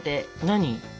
何？